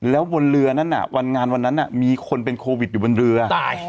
แล้วบนเรือนั้นวันงานวันนั้นมีคนเป็นโควิดอยู่บนเรือ